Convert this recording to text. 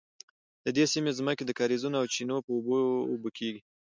د دې سیمې ځمکې د کاریزونو او چینو په اوبو اوبه کیږي.